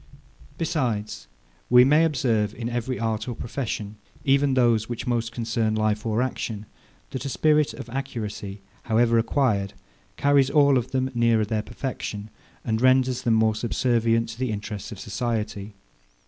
Besides, we may observe, in every art or profession, even those which most concern life or action, that a spirit of accuracy, however acquired, carries all of them nearer their perfection, and renders them more subservient to the interests of society.